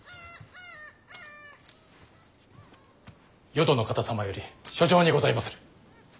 淀の方様より書状にございまする。